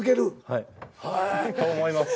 はい。と思います。